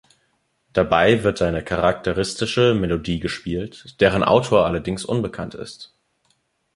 Dabei wird eine charakteristische Melodie gespielt, deren Autor allerdings unbekannt ist.